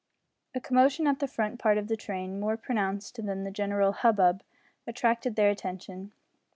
A commotion at the front part of the train, more pronounced than the general hubbub, attracted their attention.